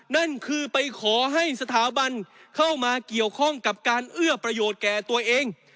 นั่นคือไปขอให้สถาบันเข้ามาเกี่ยวข้องกับการเอื้อประโยชน์แก่ตัวเอง